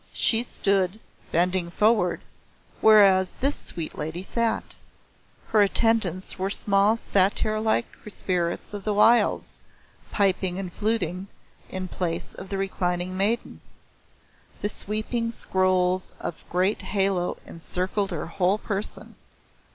She stood, bending forward, wheras this sweet Lady sat. Her attendants were small satyr like spirits of the wilds, piping and fluting, in place of the reclining maiden. The sweeping scrolls of a great halo encircled her whole person.